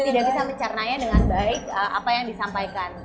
tidak bisa mencernanya dengan baik apa yang disampaikan